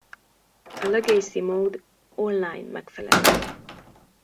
A Legacy Mode online megfelelője.